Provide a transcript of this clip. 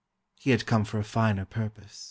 He had come for a finer purpose."